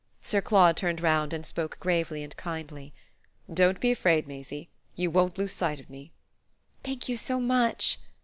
Sir Claude turned round and spoke gravely and kindly. "Don't be afraid, Maisie; you won't lose sight of me." "Thank you so much!"